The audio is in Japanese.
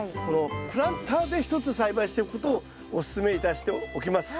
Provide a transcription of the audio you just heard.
プランターで一つ栽培しておくことをおすすめいたしておきます。